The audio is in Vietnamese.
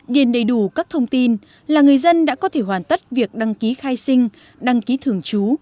điền đầy đủ các thông tin là người dân đã có thể hoàn tất việc đăng ký khai sinh đăng ký thường trú